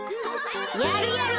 やるやる！